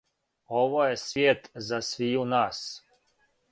Ово је свијет за свију нас.